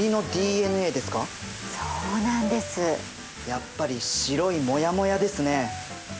やっぱり白いモヤモヤですね。